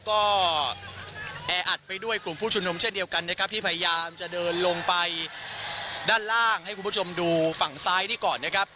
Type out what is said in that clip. ก็แออัดไปด้วยกลุ่มผู้ชุมนุมเช่นเดียวกันนะครับที่พยายามจะเดินลงไปด้านล่างให้คุณผู้ชมดูฝั่งซ้ายนี้ก่อนนะครับ